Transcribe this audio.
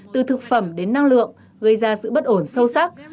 từ thực phẩm đến năng lượng gây ra sự bất ổn sâu sắc